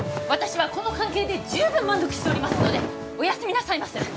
私はこの関係で十分満足しておりますのでおやすみなさいませ